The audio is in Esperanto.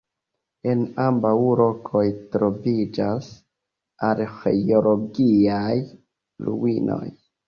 En ambaŭ lokoj troviĝas arĥeologiaj ruinoj.